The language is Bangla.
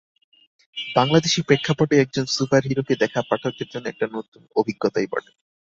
বাংলাদেশি প্রেক্ষাপটে একজন সুপারহিরোকে দেখা পাঠকদের জন্য একটা নতুন অভিজ্ঞতাই বটে।